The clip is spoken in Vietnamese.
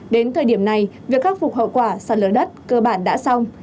đến thời điểm này việc khắc phục hậu quả sạt lở đất cơ bản đã xong